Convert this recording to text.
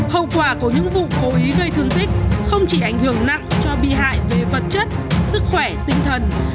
hậu quả của những vụ cố ý gây thương tích không chỉ ảnh hưởng nặng cho bị hại về vật chất sức khỏe tinh thần